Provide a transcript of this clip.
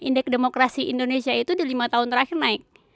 indeks demokrasi indonesia itu di lima tahun terakhir naik